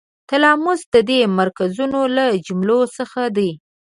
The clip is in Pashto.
تلاموس د دې مرکزونو له جملو څخه دی.